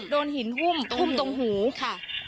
โดนหินหุ้มทุ่มตรงหูค่ะ